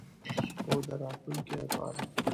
هو، د راتلونکی لپاره